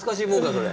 それ。